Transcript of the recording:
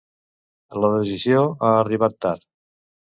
La decisió ha arribat tard.